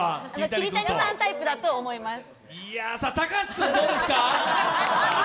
桐谷さんタイプだと思います。